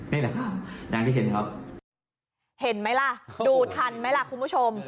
นี่แหละครับดังที่เห็นครับเห็นไหมล่ะดูทันไหมล่ะคุณผู้ชม